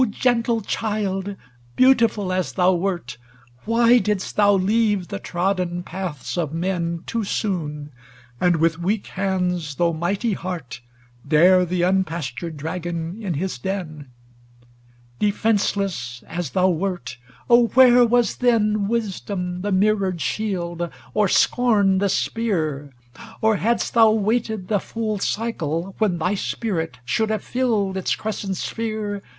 XXVII * 0 gentle child, beautiful as thou wert, Why didst thou leave the trodden paths of men Too soon, and with weak hands though mighty heart Dare the unpastured dragon in his den ? Defenceless as thou wert, oh, where was then Wisdom the mirrored shield, or scorn the spear ? Or hadst thou waited the full cycle, when Thy spirit should have filled its crescent sphere.